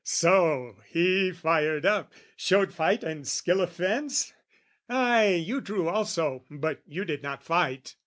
"So, he fired up, showed fight and skill of fence? "Ay, you drew also, but you did not fight!